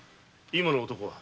今の男は？